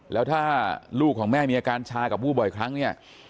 แล้วถ้าลูกของแม่มีอาการชากับวู้บ่อยครั้งเนี่ย